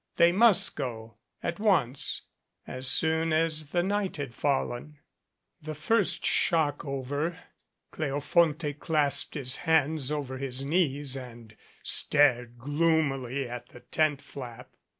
They must go at once, as soon as the night kad fallen. The first shock over, Cleofonte clasped his hands over his knees and stared gloomily at the tent flap.